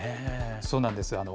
そうなんです。